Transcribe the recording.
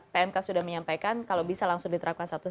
pnk sudah menyampaikan kalau bisa langsung diterapkan satu september